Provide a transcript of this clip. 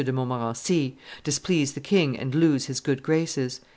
de Montmorency, displease the king and lose his good graces."